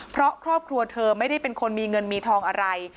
เพราะครอบครัวเธอไม่ได้เป็นคนมีเงินมีทองอะไร